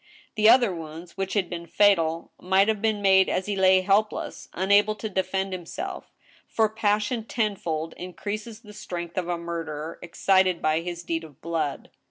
The other wounds, which had been fatal, might have been made as he lay helpless, unable to defend himself, for passion tenfold increases the strength of a murderer excited by his deed of blood.